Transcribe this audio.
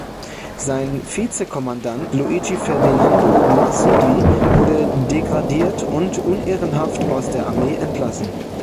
Sein Vize-Kommandant Luigi Ferdinando Marsigli wurde degradiert und unehrenhaft aus der Armee entlassen.